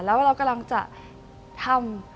แล้วเรากำลังจะทำ